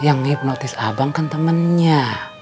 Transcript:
yang hipnotis abang kan temennya